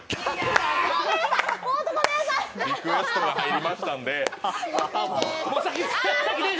リクエストが入りましたんで。